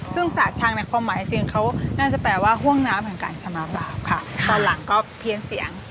ซึ่งสระชังในความหมายจริงเขาน่าจะแปลว่าห่วงน้ำแห่งการชนะบาปค่ะตอนหลังก็เพี้ยนเสียง